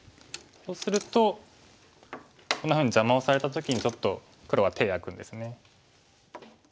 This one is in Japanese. そうするとこんなふうに邪魔をされた時にちょっと黒は手を焼くんですね。